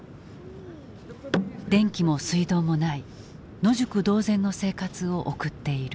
電気も水道もない野宿同然の生活を送っている。